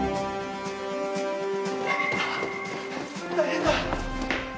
大変だ！